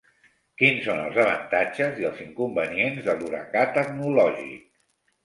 Quins són els avantatges i els inconvenients de l’huracà tecnològic?